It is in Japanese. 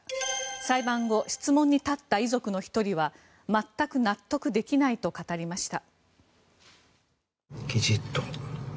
裁判後質問に立った遺族の１人は全く納得できないと語りました。